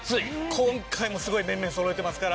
今回もすごい面々そろえてますから。